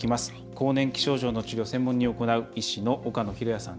更年期症状の治療を専門に行う医師の岡野浩哉さん。